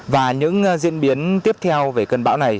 và những diễn biến tiếp theo về cơn bão này